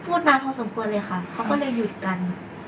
พูดมาพอสมควรเลยค่ะเขาก็เลยหยุดกัน